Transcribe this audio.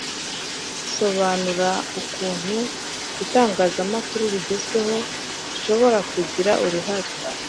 Sobanura ukuntu itangazamakuru rigezweho rishobora kugira uruhare